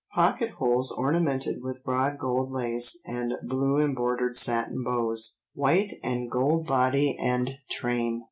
Pocket holes ornamented with broad gold lace, and blue embroidered satin bows; white and gold body and train."